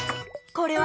これは？